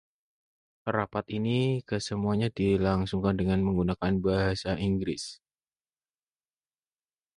Rapat ini kesemuanya dilangsungkan dengan menggunakan bahasa Inggris.